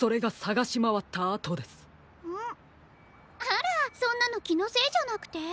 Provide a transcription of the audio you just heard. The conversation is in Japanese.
あらそんなのきのせいじゃなくて？